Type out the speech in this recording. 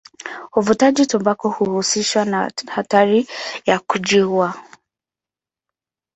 Uvutaji tumbaku huhusishwa na hatari ya kujiua.